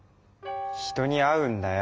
人に会うんだよ！